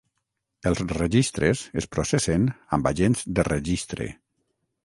Els registres es processen amb agents de registre.